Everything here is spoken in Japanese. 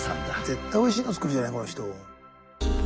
絶対おいしいの作るじゃないこの人。